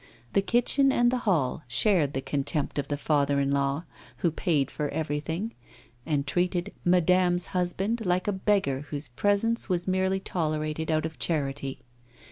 The kitchen and the hall shared the contempt of the father in law, who paid for everything, and treated 'madame's' husband like a beggar whose presence was merely tolerated out of charity.